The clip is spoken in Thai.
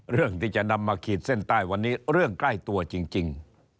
เรื่องที่จะนำมาขีดเส้นใต้วันนี้เรื่องใกล้ตัวจริง